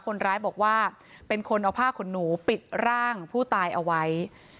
คนร้ายบอกว่าเป็นคนเอาผ้าขนหนูปิดร่างผู้ตายเอาไว้